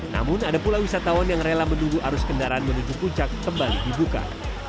namun ada pula wisatawan yang rela menunggu arus kendaraan menuju puncak kembali dibuka